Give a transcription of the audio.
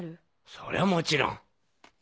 そりゃもちろん。